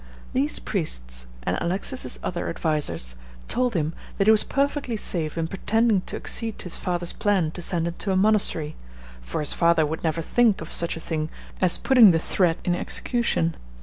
These priests, and Alexis's other advisers, told him that he was perfectly safe in pretending to accede to his father's plan to send him to a monastery, for his father would never think of such a thing as putting the threat in execution.